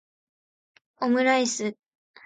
オムライス